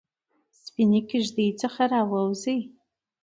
سپینې کیږ دۍ څخه راووزي